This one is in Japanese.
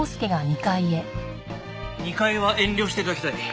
２階は遠慮して頂きたい。